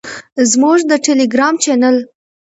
زموږ د ټیلیګرام چینل